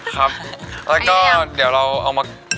ครับแล้วก็เดี๋ยวเราเอามาทำอะไรคะ